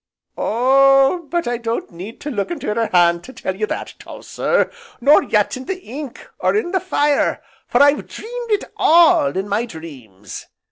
"Oh, but I don't need to look into your hand to tell you that, tall sir, nor yet in the ink, or in the fire, for I've dreamed it all in my dreams.